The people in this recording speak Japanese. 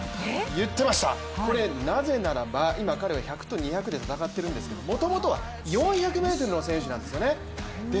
これ、なぜならば今、彼は１００と２００で戦ってるんですけどもともとは４００ｍの選手なんですよね。